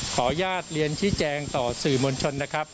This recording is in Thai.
ขออนุญาตเรียนชี้แจงต่อสื่อมวลชนนะครับ